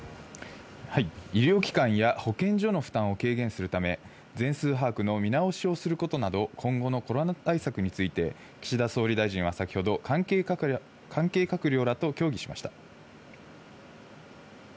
医療機関や保健所の負担を軽減するため、全数把握の見直しをすることなど今後のコロナ対策について岸田総理大臣は先ほど関係閣僚らと協議しました。